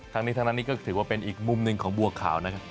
ทั้งนี้ทั้งนั้นนี่ก็ถือว่าเป็นอีกมุมหนึ่งของบัวขาวนะครับ